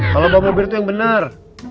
kalau bawa mobil tuh yang bener